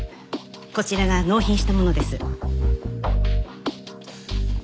こちらが納品したものです。